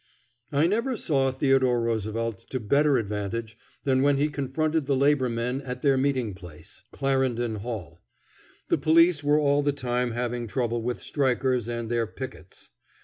I never saw Theodore Roosevelt to better advantage than when he confronted the labor men at their meeting place, Clarendon Hall. The police were all the time having trouble with strikers and their "pickets."